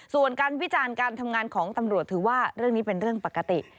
ส่วนการวิจารณ์การทำงานของตำรวจถือว่าเรื่องนี้เป็นเรื่องปกติ